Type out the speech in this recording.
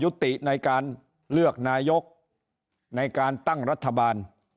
ติในการเลือกนายกในการตั้งรัฐบาล